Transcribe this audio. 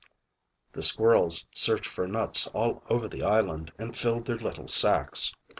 The squirrels searched for nuts all over the island and filled their little sacks.